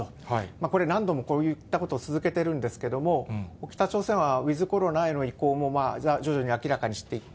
これ、何度も、こういったことを続けているんですけれども、北朝鮮はウィズコロナへの移行も徐々に明らかにしていって、